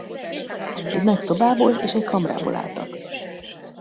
Egy nagy szobából és egy kamrából álltak.